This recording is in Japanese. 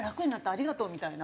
ありがとう」みたいな。